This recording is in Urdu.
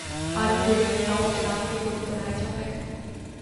آج بھی دیوی دیوتاؤں کے نام کے بت بنا ئے جاتے ہیں